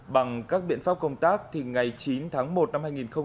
bằng các biện pháp công tác ngày chín tháng một năm hai nghìn hai mươi